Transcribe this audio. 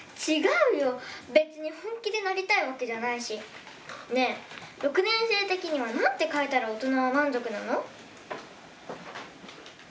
違うよ、別に本気でなりたいわけじゃないし、ねぇ、６年生的にはなんて書いたら大人は満足なの？